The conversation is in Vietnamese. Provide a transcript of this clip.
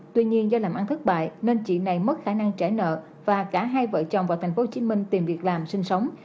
tuy nhiên do làm ăn thất bại nên chị này mất khả năng trả nợ và cả hai vợ chồng vào tp hcm tìm việc làm sinh sống